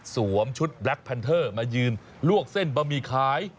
ชุดแบล็คแพนเทอร์มายืนลวกเส้นบะหมี่ขาย